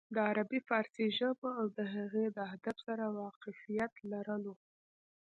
د عربي فارسي ژبو او د هغې د ادب سره واقفيت لرلو